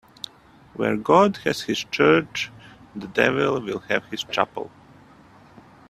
Where God has his church, the devil will have his chapel